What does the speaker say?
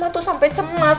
mama tuh sampai cemas